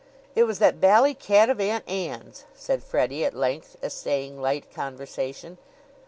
"It was that bally cat of Aunt Ann's," said Freddie at length, essaying light conversation.